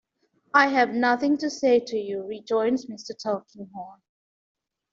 "I have nothing to say to you," rejoins Mr. Tulkinghorn.